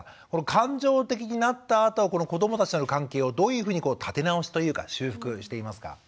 感情的になったあと子どもたちとの関係をどういうふうに立て直しというか修復していますか？